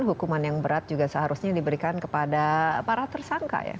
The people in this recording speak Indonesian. hukuman yang berat juga seharusnya diberikan kepada para tersangka ya